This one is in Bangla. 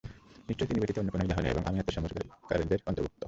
নিশ্চয়ই তিনি ব্যতীত অন্য কোন ইলাহ নেই এবং আমি আত্মসমর্পণকারীদের অন্তর্ভুক্ত।